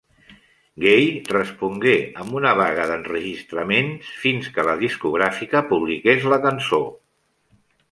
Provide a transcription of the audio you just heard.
Gaye respongué amb una vaga d'enregistraments fins que la discogràfica publiqués la cançó.